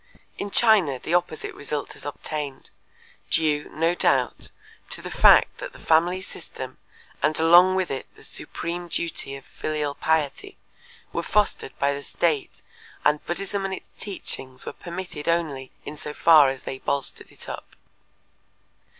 In China the opposite result has obtained, due, no doubt, to the fact that the family system and along with it the supreme duty of filial piety were fostered by the state and Buddhism and its teachings were permitted only in so far as they bolstered it up.